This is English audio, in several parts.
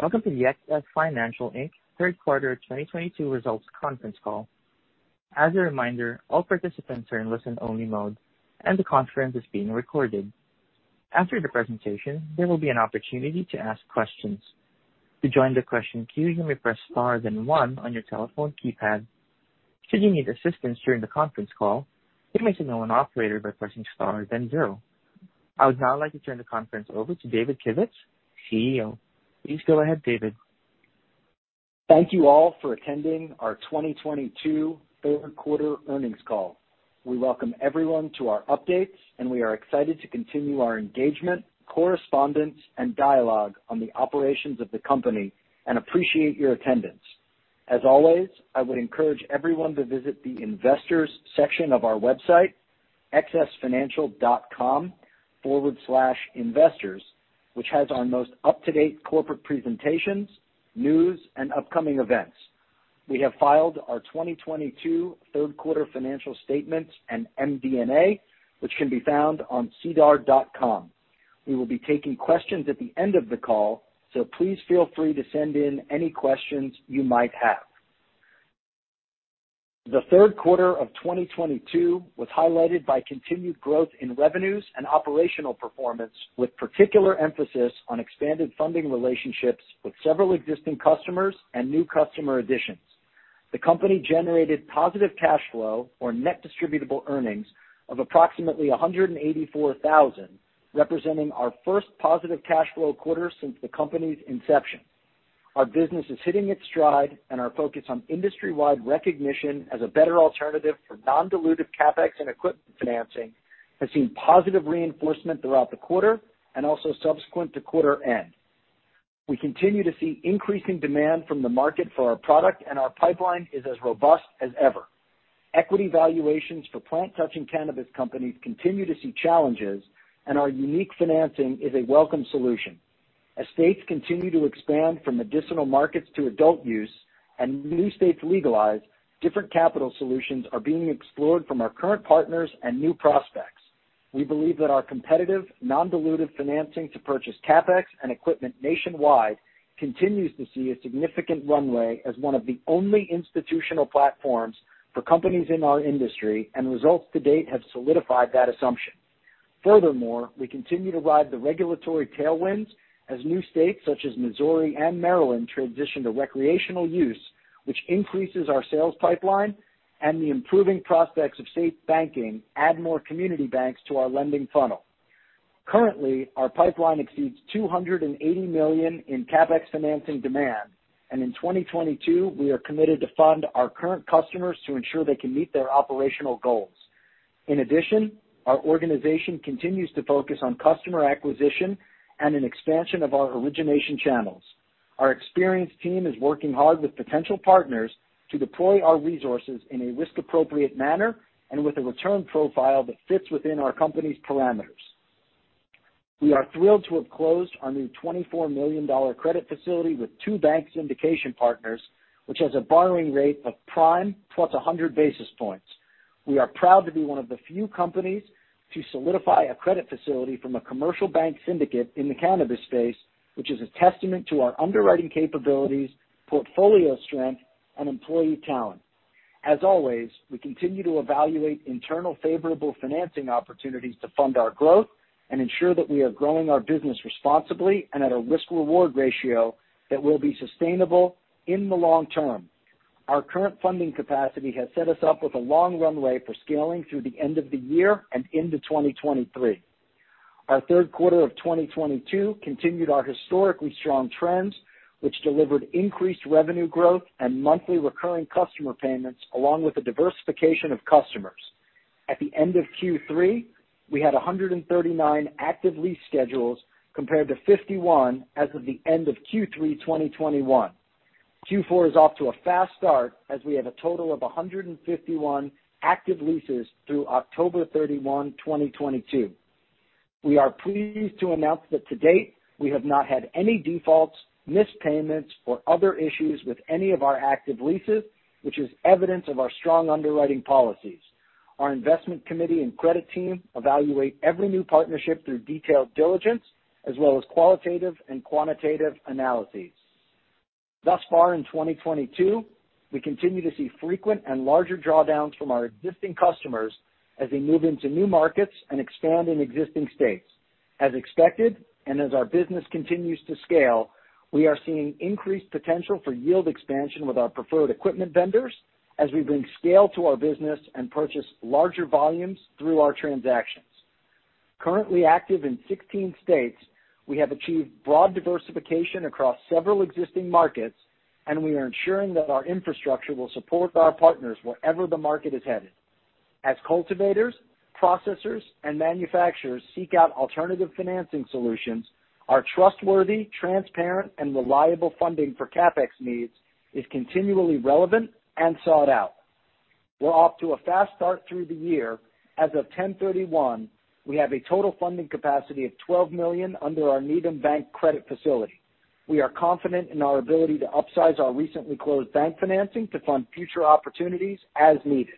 Welcome to the XS Financial Inc Third Quarter 2022 Results Conference Call. As a reminder, all participants are in listen-only mode, and the conference is being recorded. After the presentation, there will be an opportunity to ask questions. To join the question queue, you may press star then one on your telephone keypad. Should you need assistance during the conference call, you may signal an operator by pressing star then zero. I would now like to turn the conference over to David Kivitz, CEO. Please go ahead, David. Thank you all for attending our 2022 Third Quarter Earnings Call. We welcome everyone to our updates. We are excited to continue our engagement, correspondence, and dialogue on the operations of the company and appreciate your attendance. As always, I would encourage everyone to visit the investors section of our website, xsfinancial.com/investors, which has our most up-to-date corporate presentations, news, and upcoming events. We have filed our 2022 third-quarter financial statements and MD&A, which can be found on sedar.com. We will be taking questions at the end of the call. Please feel free to send in any questions you might have. The third quarter of 2022 was highlighted by continued growth in revenues and operational performance, with particular emphasis on expanded funding relationships with several existing customers and new customer additions. The company generated positive cash flow or net distributable earnings of approximately $184,000, representing our first positive cash flow quarter since the company's inception. Our business is hitting its stride, and our focus on industry-wide recognition as a better alternative for non-dilutive CapEx and equipment financing has seen positive reinforcement throughout the quarter and also subsequent to quarter-end. We continue to see increasing demand from the market for our product, and our pipeline is as robust as ever. Equity valuations for plant-touching cannabis companies continue to see challenges, and our unique financing is a welcome solution. As states continue to expand from medicinal markets to adult use and new states legalize, different capital solutions are being explored from our current partners and new prospects. We believe that our competitive non-dilutive financing to purchase CapEx and equipment nationwide continues to see a significant runway as one of the only institutional platforms for companies in our industry. Results to date have solidified that assumption. Furthermore, we continue to ride the regulatory tailwinds as new states such as Missouri and Maryland transition to recreational use, which increases our sales pipeline and the improving prospects of SAFE Banking add more community banks to our lending funnel. Currently, our pipeline exceeds $280 million in CapEx financing demand. In 2022, we are committed to fund our current customers to ensure they can meet their operational goals. In addition, our organization continues to focus on customer acquisition and an expansion of our origination channels. Our experienced team is working hard with potential partners to deploy our resources in a risk-appropriate manner and with a return profile that fits within our company's parameters. We are thrilled to have closed our new $24 million credit facility with two bank syndication partners, which has a borrowing rate of prime +100 basis points. We are proud to be one of the few companies to solidify a credit facility from a commercial bank syndicate in the cannabis space, which is a testament to our underwriting capabilities, portfolio strength, and employee talent. As always, we continue to evaluate internal favorable financing opportunities to fund our growth and ensure that we are growing our business responsibly and at a risk-reward ratio that will be sustainable in the long term. Our current funding capacity has set us up with a long runway for scaling through the end of the year and into 2023. Our Q3 2022 continued our historically strong trends, which delivered increased revenue growth and monthly recurring customer payments, along with the diversification of customers. At the end of Q3, we had 139 active lease schedules compared to 51 as of the end of Q3 2021. Q4 is off to a fast start as we have a total of 151 active leases through October 31, 2022. We are pleased to announce that to date, we have not had any defaults, missed payments, or other issues with any of our active leases, which is evidence of our strong underwriting policies. Our investment committee and credit team evaluate every new partnership through detailed diligence as well as qualitative and quantitative analyses. Thus far in 2022, we continue to see frequent and larger drawdowns from our existing customers as they move into new markets and expand in existing states. As expected, and as our business continues to scale, we are seeing increased potential for yield expansion with our preferred equipment vendors as we bring scale to our business and purchase larger volumes through our transactions. Currently active in 16 states, we have achieved broad diversification across several existing markets, and we are ensuring that our infrastructure will support our partners wherever the market is headed. As cultivators, processors, and manufacturers seek out alternative financing solutions, our trustworthy, transparent, and reliable funding for CapEx needs is continually relevant and sought out. We're off to a fast start through the year. As of 10/31, we have a total funding capacity of $12 million under our Needham Bank credit facility. We are confident in our ability to upsize our recently closed bank financing to fund future opportunities as needed.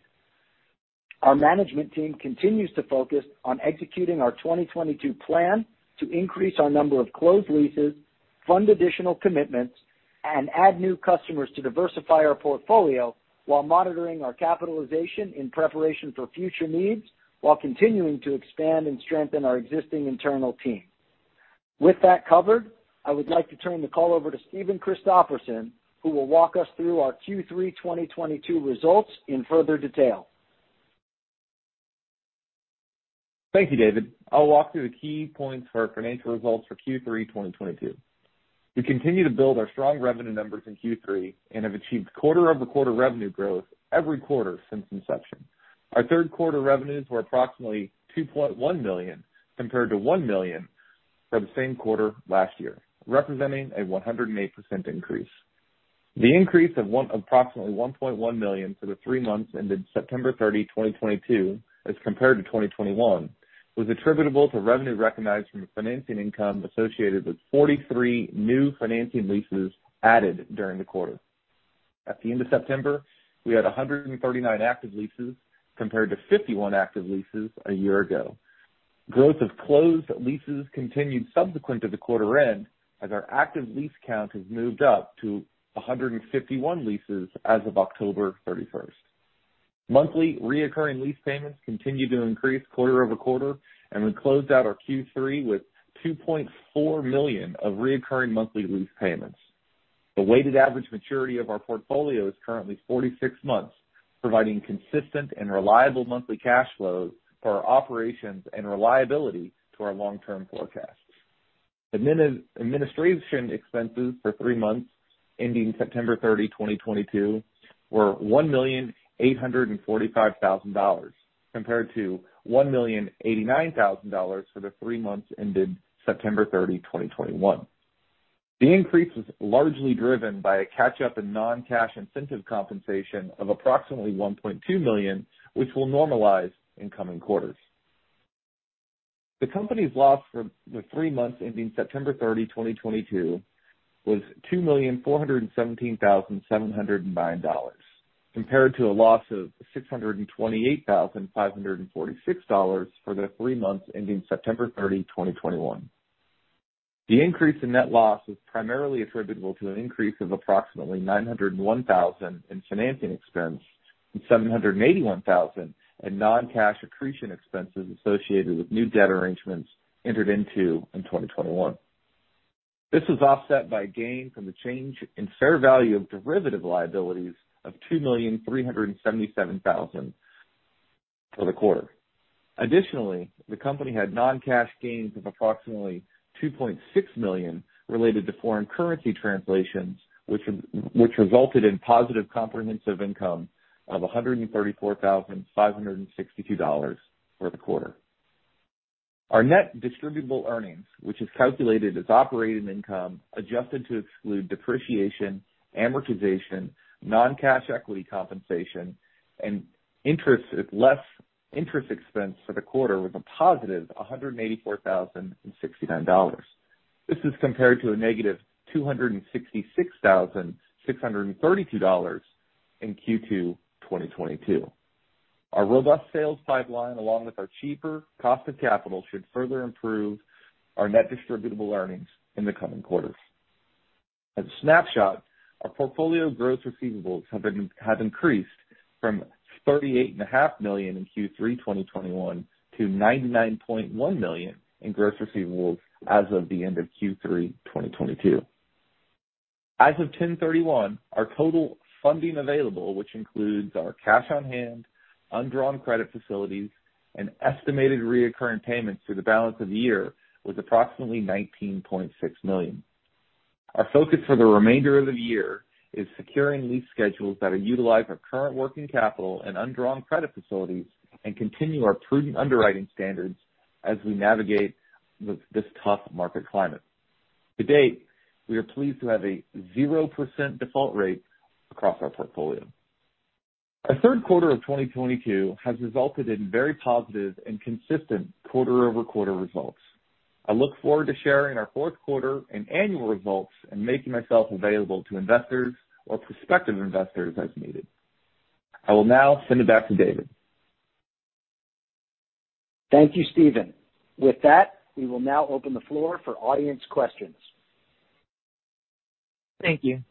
Our management team continues to focus on executing our 2022 plan to increase our number of closed leases, fund additional commitments, and add new customers to diversify our portfolio while monitoring our capitalization in preparation for future needs, while continuing to expand and strengthen our existing internal team. With that covered, I would like to turn the call over to Stephen Christoffersen, who will walk us through our Q3 2022 results in further detail. Thank you, David. I'll walk through the key points for our financial results for Q3 2022. We continue to build our strong revenue numbers in Q3 and have achieved quarter-over-quarter revenue growth every quarter since inception. Our third-quarter revenues were approximately $2.1 million, compared to $1 million for the same quarter last year, representing a 108% increase. The increase of approximately $1.1 million for the three months ended September 30, 2022, as compared to 2021, was attributable to revenue recognized from the financing income associated with 43 new financing leases added during the quarter. At the end of September, we had 139 active leases compared to 51 active leases a year ago. Growth of closed leases continued subsequent to the quarter end as our active lease count has moved up to 151 leases as of October 31st. Monthly recurring lease payments continue to increase quarter-over-quarter. We closed out our Q3 with $2.4 million of recurring monthly lease payments. The weighted average maturity of our portfolio is currently 46 months, providing consistent and reliable monthly cash flows for our operations and reliability to our long-term forecasts. Administration expenses for 3 months ending September 30, 2022, were $1,845,000 compared to $1,089,000 for the 3 months ended September 30, 2021. The increase was largely driven by a catch-up in non-cash incentive compensation of approximately $1.2 million, which will normalize in coming quarters. The company's loss for the three months ending September 30, 2022, was $2,417,709 compared to a loss of $628,546 for the three months ending September 30, 2021. The increase in net loss was primarily attributable to an increase of approximately $901,000 in financing expense and $781,000 in non-cash accretion expenses associated with new debt arrangements entered into in 2021. This was offset by a gain from the change in fair value of derivative liabilities of $2,377,000 for the quarter. Additionally, the company had non-cash gains of approximately $2.6 million related to foreign currency translations, which resulted in positive comprehensive income of $134,562 for the quarter. Our net distributable earnings, which is calculated as operating income, adjusted to exclude depreciation, amortization, non-cash equity compensation, and interest less interest expense for the quarter was a +$184,069. This is compared to a -$266,632 in Q2 2022. Our robust sales pipeline, along with our cheaper cost of capital, should further improve our net distributable earnings in the coming quarters. As a snapshot, our portfolio gross receivables have increased from thirty-eight and a half million in Q3 2021 to $99.1 million in gross receivables as of the end of Q3 2022. As of 10/31, our total funding available, which includes our cash on hand, undrawn credit facilities, and estimated reoccurring payments through the balance of the year, was approximately $19.6 million. Our focus for the remainder of the year is securing lease schedules that utilize our current working capital and undrawn credit facilities and continue our prudent underwriting standards as we navigate with this tough market climate. To date, we are pleased to have a 0% default rate across our portfolio. Our third quarter of 2022 has resulted in very positive and consistent quarter-over-quarter results. I look forward to sharing our fourth quarter and annual results and making myself available to investors or prospective investors as needed. I will now send it back to David. Thank you, Stephen. With that, we will now open the floor for audience questions. Thank you.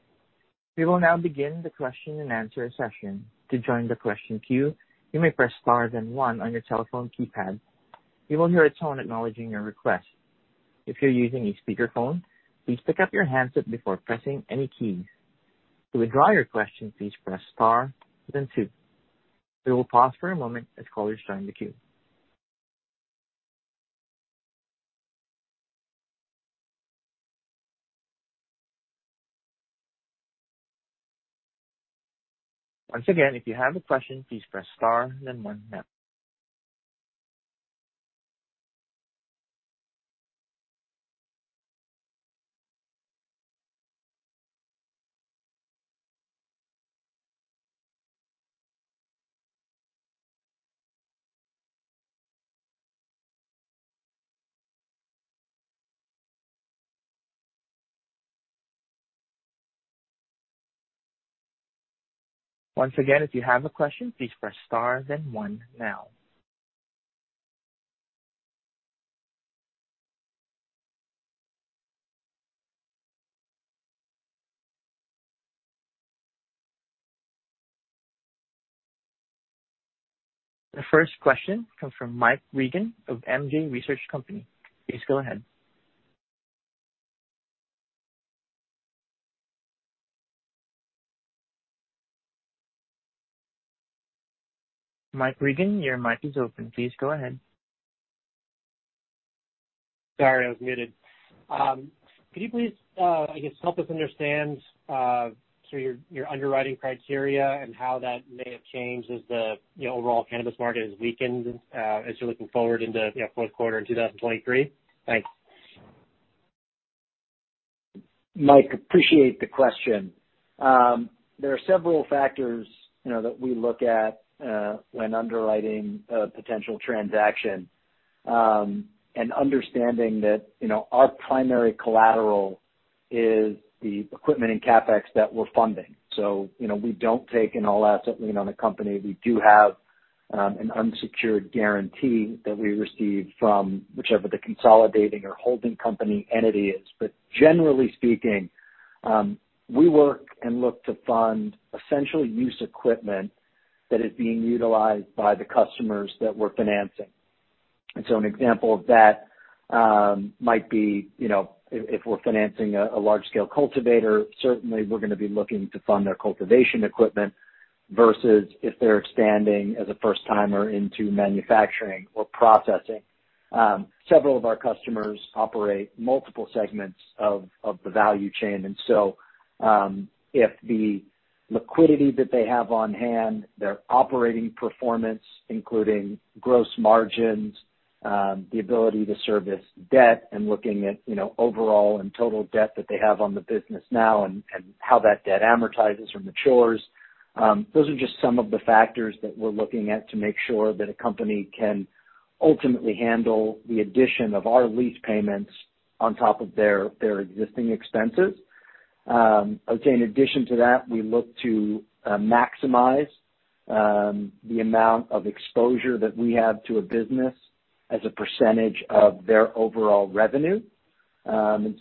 We will now begin the question and answer session. To join the question queue, you may press star then one on your telephone keypad. You will hear a tone acknowledging your request. If you're using a speakerphone, please pick up your handset before pressing any keys. To withdraw your question, please press star then two. We will pause for a moment as callers join the queue. Once again, if you have a question, please press star then one now. The first question comes from Mike Regan of MJResearchCo. Please go ahead. Mike Regan, your mic is open. Please go ahead. Sorry, I was muted. Could you please, I guess, help us understand, sort of your underwriting criteria and how that may have changed as the, you know, overall cannabis market has weakened, as you're looking forward into fourth quarter in 2023? Thanks. Mike, appreciate the question. There are several factors, you know, that we look at when underwriting a potential transaction, and understanding that, you know, our primary collateral is the equipment and CapEx that we're funding. You know, we don't take an all asset lien on a company. We do have an unsecured guarantee that we receive from whichever the consolidating or holding company entity is. Generally speaking, we work and look to fund essential use equipment that is being utilized by the customers that we're financing. An example of that might be, you know, if we're financing a large scale cultivator, certainly we're gonna be looking to fund their cultivation equipment versus if they're expanding as a first-timer into manufacturing or processing. Several of our customers operate multiple segments of the value chain. If the liquidity that they have on hand, their operating performance, including gross margins, the ability to service debt and looking at, you know, overall and total debt that they have on the business now and how that debt amortizes or matures, those are just some of the factors that we're looking at to make sure that a company can ultimately handle the addition of our lease payments on top of their existing expenses. I would say in addition to that, we look to maximize the amount of exposure that we have to a business as a percentage of their overall revenue. You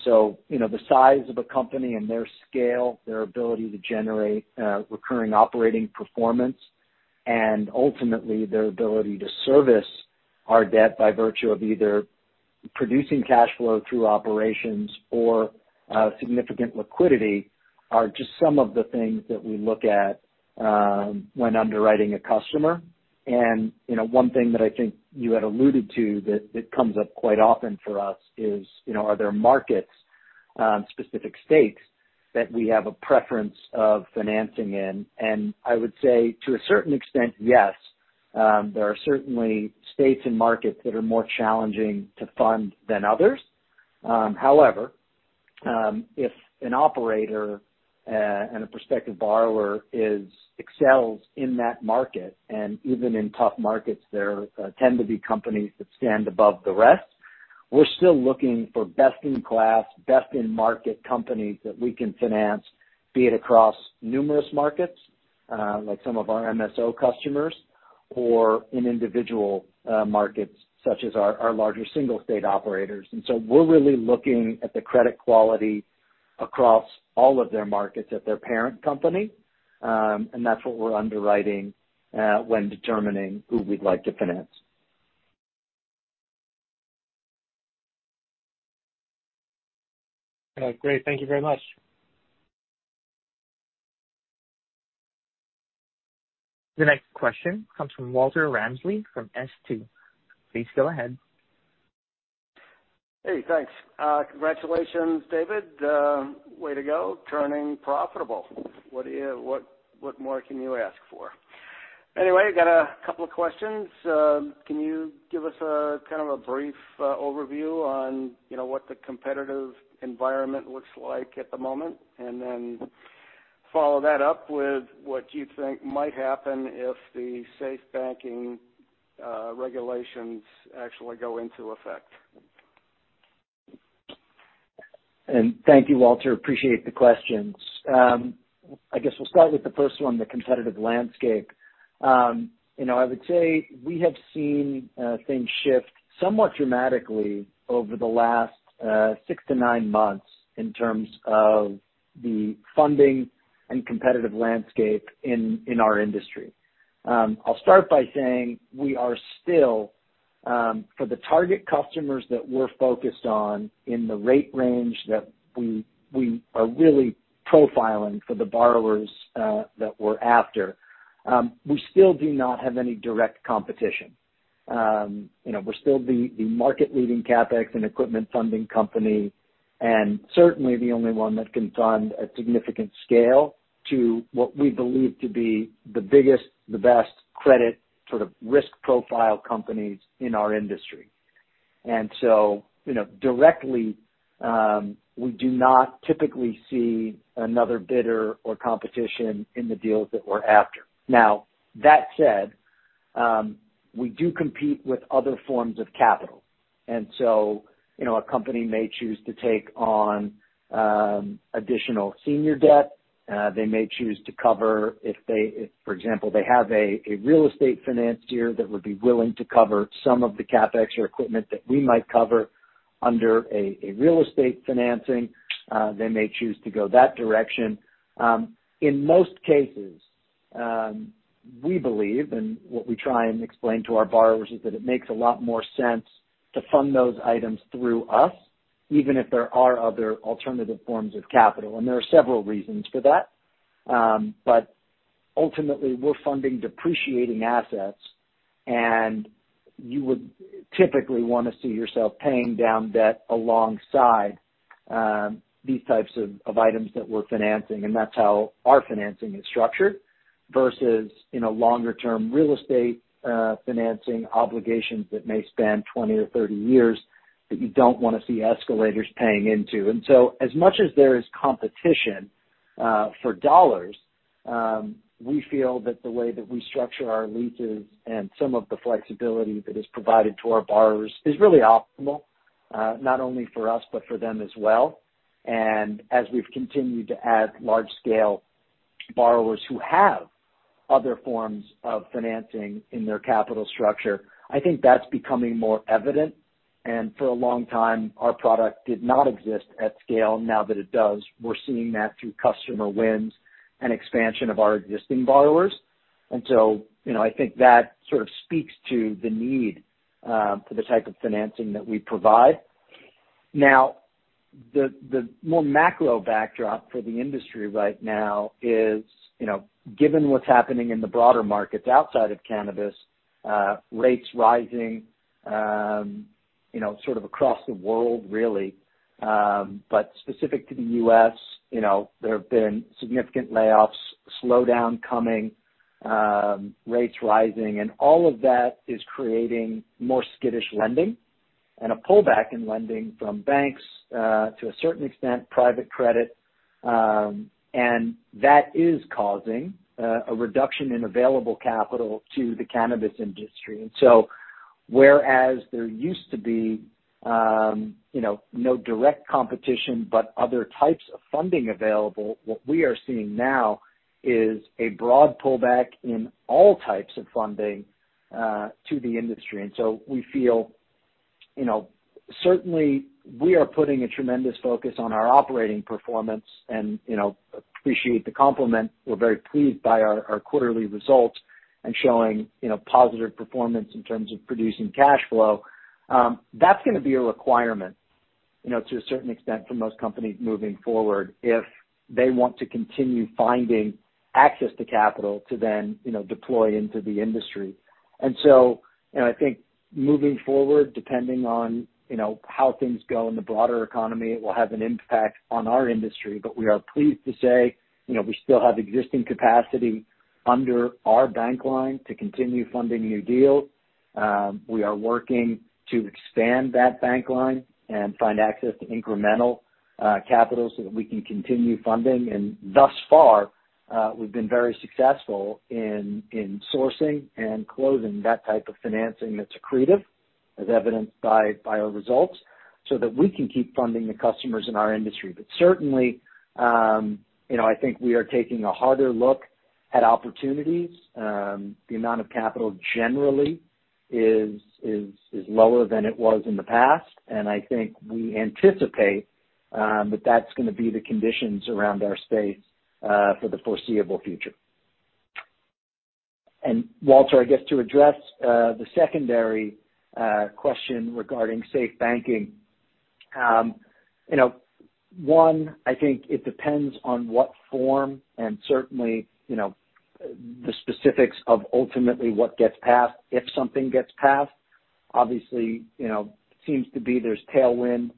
know, the size of a company and their scale, their ability to generate, recurring operating performance and ultimately their ability to service our debt by virtue of either producing cash flow through operations or, significant liquidity are just some of the things that we look at, when underwriting a customer. You know, one thing that I think you had alluded to that comes up quite often for us is, you know, are there markets, specific states that we have a preference of financing in? I would say to a certain extent, yes. There are certainly states and markets that are more challenging to fund than others. However, if an operator, and a prospective borrower excels in that market, and even in tough markets there, tend to be companies that stand above the rest. We're still looking for best in class, best in market companies that we can finance, be it across numerous markets, like some of our MSO customers or in individual markets such as our larger single state operators. We're really looking at the credit quality across all of their markets at their parent company. That's what we're underwriting when determining who we'd like to finance. All right. Great. Thank you very much. The next question comes from Walter Ramsley from S2. Please go ahead. Hey, thanks. Congratulations, David. Way to go turning profitable. What more can you ask for? Got a couple of questions. Can you give us a brief overview on what the competitive environment looks like at the moment, and then follow that up with what you think might happen if the SAFE Banking regulations actually go into effect? Thank you, Walter Ramsley. Appreciate the questions. I guess we'll start with the first one, the competitive landscape. You know, I would say we have seen things shift somewhat dramatically over the last 6-9 months in terms of the funding and competitive landscape in our industry. I'll start by saying we are still for the target customers that we're focused on in the rate range that we are really profiling for the borrowers that we're after, we still do not have any direct competition. You know, we're still the market-leading CapEx and equipment funding company, and certainly the only one that can fund a significant scale to what we believe to be the biggest, the best credit sort of risk profile companies in our industry. You know, directly, we do not typically see another bidder or competition in the deals that we're after. Now, that said, we do compete with other forms of capital. You know, a company may choose to take on additional senior debt. They may choose to cover if, for example, they have a real estate financier that would be willing to cover some of the CapEx or equipment that we might cover under a real estate financing, they may choose to go that direction. In most cases, we believe, and what we try and explain to our borrowers, is that it makes a lot more sense to fund those items through us, even if there are other alternative forms of capital. There are several reasons for that. Ultimately, we're funding depreciating assets, and you would typically wanna see yourself paying down debt alongside these types of items that we're financing, and that's how our financing is structured versus, you know, longer term real estate financing obligations that may span 20 or 30 years that you don't wanna see escalators paying into. As much as there is competition for dollars, we feel that the way that we structure our leases and some of the flexibility that is provided to our borrowers is really optimal not only for us but for them as well. As we've continued to add large scale borrowers who have other forms of financing in their capital structure, I think that's becoming more evident. For a long time, our product did not exist at scale. Now that it does, we're seeing that through customer wins and expansion of our existing borrowers. You know, I think that sort of speaks to the need for the type of financing that we provide. The, the more macro backdrop for the industry right now is, you know, given what's happening in the broader markets outside of cannabis, rates rising, you know, sort of across the world really. Specific to the US, you know, there have been significant layoffs, slowdown coming, rates rising, and all of that is creating more skittish lending and a pullback in lending from banks, to a certain extent, private credit, and that is causing a reduction in available capital to the cannabis industry. Whereas there used to be, you know, no direct competition but other types of funding available, what we are seeing now is a broad pullback in all types of funding to the industry. We feel, you know, certainly we are putting a tremendous focus on our operating performance and, you know, appreciate the compliment. We're very pleased by our quarterly results and showing, you know, positive performance in terms of producing cash flow. That's gonna be a requirement, you know, to a certain extent for most companies moving forward, if they want to continue finding access to capital to then, you know, deploy into the industry. You know, I think moving forward, depending on, you know, how things go in the broader economy, it will have an impact on our industry. We are pleased to say, you know, we still have existing capacity under our bank line to continue funding new deals. We are working to expand that bank line and find access to incremental capital so that we can continue funding. Thus far, we've been very successful in sourcing and closing that type of financing that's accretive, as evidenced by our results, so that we can keep funding the customers in our industry. Certainly, you know, I think we are taking a harder look at opportunities. The amount of capital generally is lower than it was in the past, and I think we anticipate that that's gonna be the conditions around our space for the foreseeable future. Walter, I guess to address the secondary question regarding SAFE Banking Act. You know, one, I think it depends on what form and certainly, you know, the specifics of ultimately what gets passed, if something gets passed. Obviously, you know, seems to be there's tailwind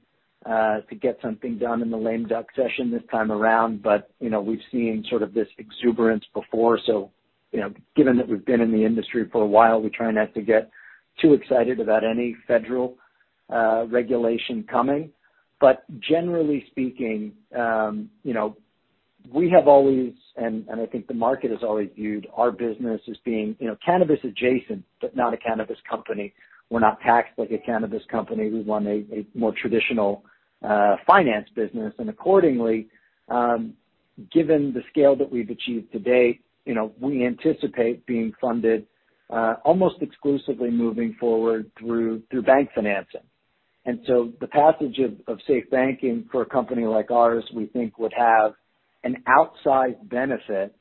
to get something done in the lame-duck session this time around, but, you know, we've seen sort of this exuberance before. You know, given that we've been in the industry for a while, we try not to get too excited about any federal regulation coming. Generally speaking, you know, we have always and I think the market has always viewed our business as being, you know, cannabis adjacent, but not a cannabis company. We're not taxed like a cannabis company. We run a more traditional finance business. Accordingly, given the scale that we've achieved to date, you know, we anticipate being funded, almost exclusively moving forward through bank financing. The passage of SAFE Banking for a company like ours, we think would have an outsized benefit,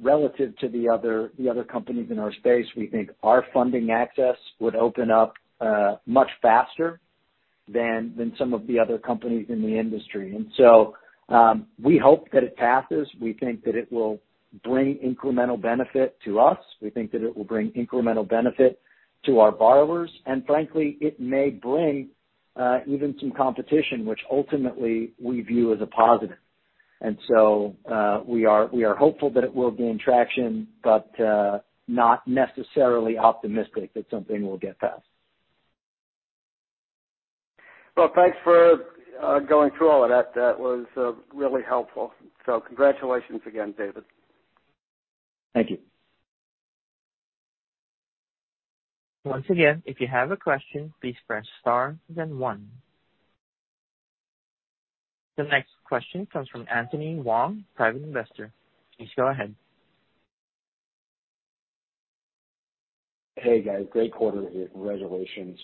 relative to the other companies in our space. We think our funding access would open up, much faster than some of the other companies in the industry. We hope that it passes. We think that it will bring incremental benefit to us. We think that it will bring incremental benefit to our borrowers. Frankly, it may bring, even some competition, which ultimately we view as a positive. We are hopeful that it will gain traction, but, not necessarily optimistic that something will get passed. Well, thanks for going through all of that. That was really helpful. Congratulations again, David. Thank you. Once again, if you have a question, please press Star, then one. The next question comes from Anthony Wong, Private Investor. Please go ahead. Hey, guys. Great quarter here. Congratulations.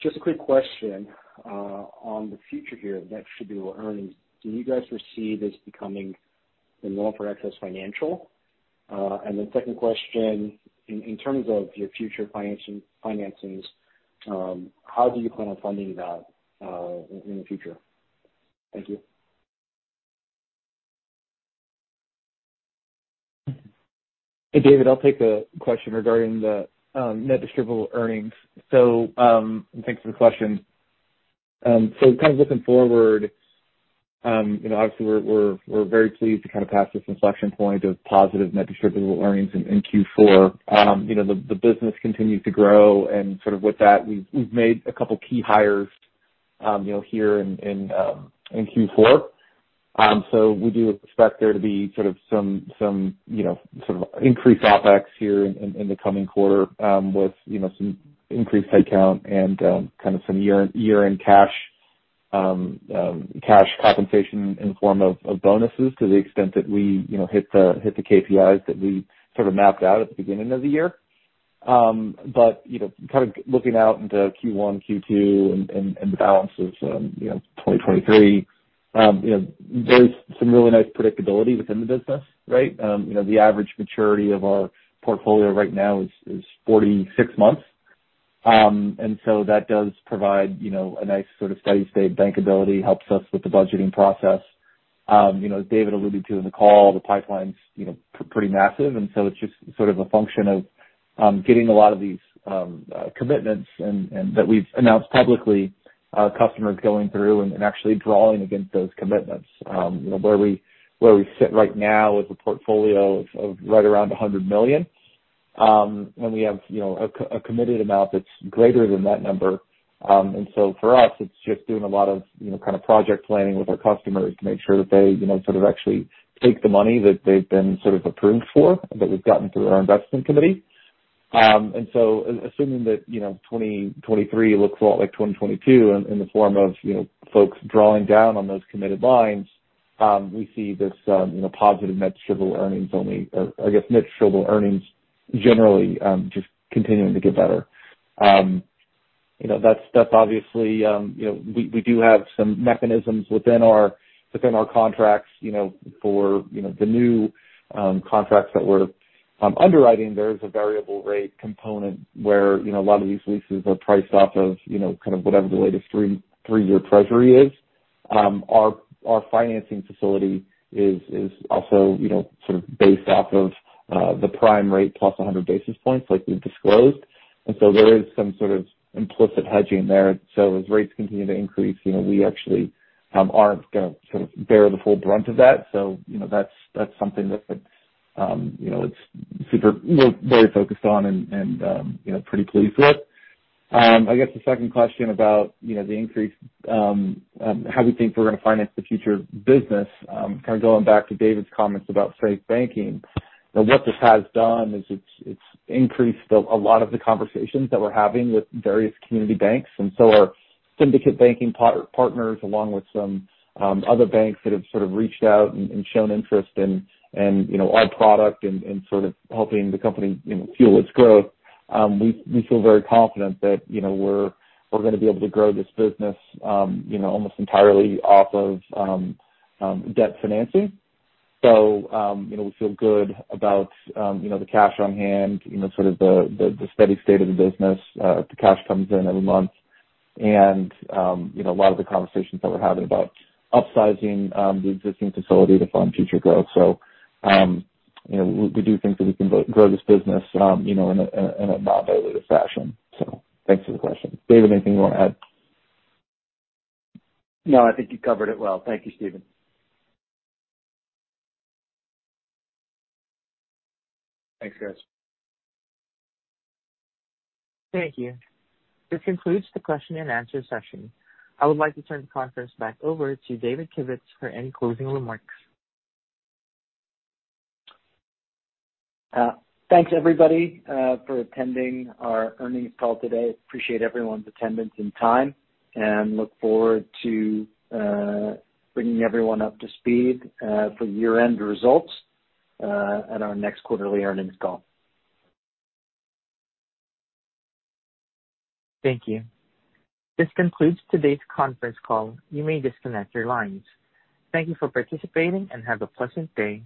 Just a quick question. On the future here of net distributable earnings, do you guys foresee this becoming the norm for XS Financial? The second question, in terms of your future financings, how do you plan on funding that in the future? Thank you. Hey, David. I'll take the question regarding the net distributable earnings. Thanks for the question. Looking forward, you know, obviously we're very pleased to kind of pass this inflection point of positive net distributable earnings in Q4. You know, the business continues to grow and sort of with that, we've made a couple key hires here in Q4. We do expect there to be sort of some, you know, sort of increased OpEx here in the coming quarter, with, you know, some increased head count and kind of some year-end cash compensation in form of bonuses to the extent that we, you know, hit the KPIs that we sort of mapped out at the beginning of the year. Looking out into Q1, Q2 and the balance of, you know, 2023, you know, there's some really nice predictability within the business, right? The average maturity of our portfolio right now is 46 months. That does provide a nice steady state bankability, helps us with the budgeting process. As David alluded to in the call, the pipeline's pretty massive. It's just sort of a function of getting a lot of these commitments and that we've announced publicly, our customers going through and actually drawing against those commitments. Where we sit right now with a portfolio of right around $100 million, and we have a committed amount that's greater than that number. For us, it's just doing a lot of project planning with our customers to make sure that they actually take the money that they've been approved for, that we've gotten through our investment committee. Assuming that 2023 looks a lot like 2022 in the form of folks drawing down on those committed lines, we see this positive net distributable earnings only net distributable earnings generally, just continuing to get better. That's obviously we do have some mechanisms within our contracts for the new contracts that we're underwriting. There is a variable rate component where a lot of these leases are priced off of kind of whatever the latest three-year Treasury is. Our financing facility is also based off of the prime rate +100 basis points, like we've disclosed. There is some sort of implicit hedging there. As rates continue to increase we actually aren't gonna bear the full brunt of that. That's something that we're very focused on and pretty pleased with. I guess the second question about the increase, how we think we're gonna finance the future business going back to David's comments about straight banking. What this has done is it's increased a lot of the conversations that we're having with various community banks. Our syndicate banking partners, along with some other banks that have sort of reached out and shown interest in our product and helping the company fuel its growth. We feel very confident that we're gonna be able to grow this business almost entirely off of debt financing. We feel good about the cash on hand the steady state of the business, the cash comes in every month and a lot of the conversations that we're having about upsizing the existing facility to fund future growth. We do think that we can grow this business in a non-dilutive fashion. Thanks for the question. David, anything you wanna add? No, I think you covered it well. Thank you, Stephen. Thanks, guys. Thank you. This concludes the question and answer session. I would like to turn the conference back over to David Kivitz for any closing remarks. Thanks everybody for attending our Earnings Call today. Appreciate everyone's attendance and time, and look forward to bringing everyone up to speed for year-end results at our next quarterly earnings call. Thank you. This concludes today's conference call. You may disconnect your lines. Thank you for participating, and have a pleasant day.